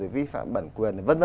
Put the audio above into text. vi phạm bản quyền v v